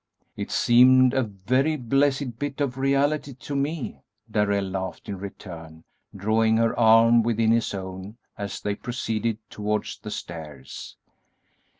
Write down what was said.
"It seemed a very blessed bit of reality to me," Darrell laughed in return, drawing her arm within his own as they proceeded towards the stairs.